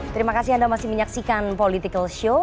terima kasih anda masih menyaksikan political show